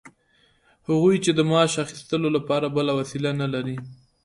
هغوی چې د معاش اخیستلو لپاره بله وسیله نلري